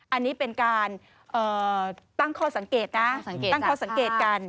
อันนี้เป็นการตั้งข้อสังเกตนะตั้งข้อสังเกตกัน